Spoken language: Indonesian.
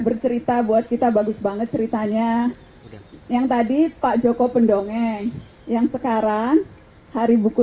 bercerita buat kita bagus banget ceritanya yang tadi pak joko pendongeng yang sekarang hari buku